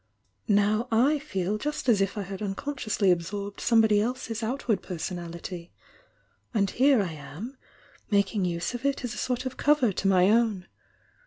Now / feel just as if I had unconsciously absorbed somebody else's outward personality — and here I am, making use of it as a sort of cover to my own.